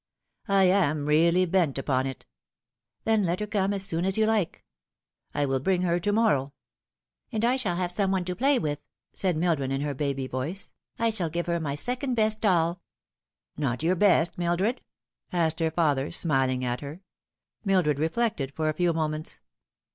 " I am really bent upon it." " Then let her come as soon as you like." " I will bring her to morrow." " And I shall have some one to play with," said Mildred in her baby voice ;" I shall give her my second best dolL" Fay. 11 " Not your best, Mildred ?" asked her father, smiling at her. Mildred reflected for a few moments.